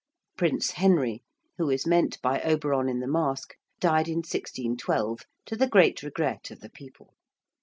~Prince Henry~, who is meant by Oberon in the masque, died in 1612, to the great regret of the people.